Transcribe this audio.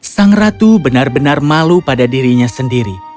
sang ratu benar benar malu pada dirinya sendiri